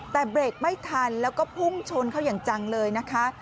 แต่เบรกไม่ทันแล้วก็พุ่งชนเขาอย่างจังเลยนะคะ